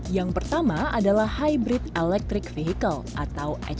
yang pertama adalah hybrid electric vehicle atau hp